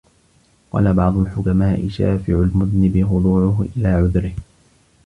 وَقَالَ بَعْضُ الْحُكَمَاءِ شَافِعُ الْمُذْنِبِ خُضُوعُهُ إلَى عُذْرِهِ